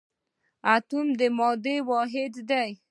اتوم د مادې واحد دی